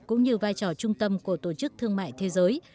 cũng như vai trò trung tâm của tổ chức thương mại thế giới